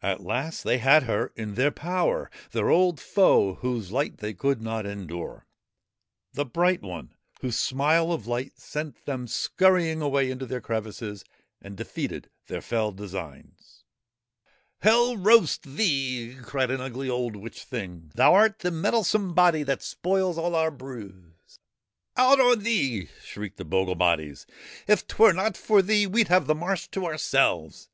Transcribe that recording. At last they had her in their power their old foe whose light they could not endure ; the Bright One whose smile of light sent them scurrying away into their crevices and defeated their fell designs. B 9 THE BURIED MOON ' Hell roast thee !' cried an ugly old witch thing ;' thou 'rt the meddlesome body that spoils all our brews.' ' Out on thee I ' shrieked the bogle bodies ;' if 'twere not for thee we 'd have the marsh to ourselves.'